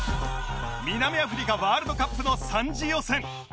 南アフリカワールドカップの３次予選